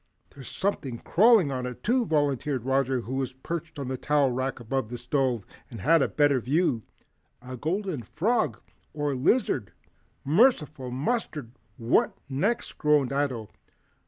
"There's something crawling on it, too," volunteered Roger, who was perched on the towel rack above the stove, and had a better view, "a golden frog or a lizard." "Merciful mustard! What next?" groaned Ato.